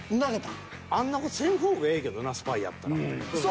あんな事せん方がええけどなスパイやったら。